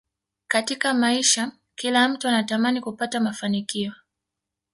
Katika maisha kila mtu anatamani kupata mafanikio